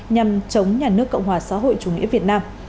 nhằm chống nhà nước cộng hòa xã hội chủ nghĩa việt nam